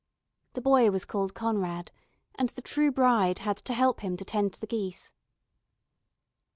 The boy was called Conrad, and the true bride had to help him to tend the geese.